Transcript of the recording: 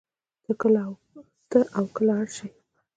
تۀ او کله ار سې